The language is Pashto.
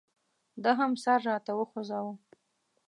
ده هم سر راته وخوځاوه.